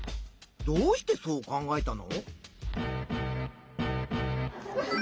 どうしてそう考えたの？